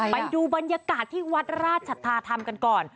ไปดูบรรยากาศที่วัดราชธาธรรมกันก่อน